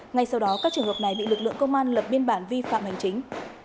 ngay sau đó các trường hợp này bị lực lượng công an lập biên bản vi phạm hành chính